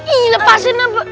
ih lepasin apa